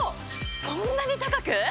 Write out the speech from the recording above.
そんなに高く？